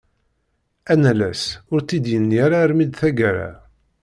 Anallas ur tt-id-yenni ara almi d tagara.